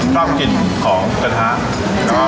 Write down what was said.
ชอบกินของกระทะ